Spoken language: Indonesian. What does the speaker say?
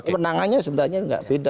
penangannya sebenarnya tidak beda